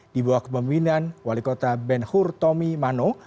di bawah kepemimpinan wali kota ben hur tommy mano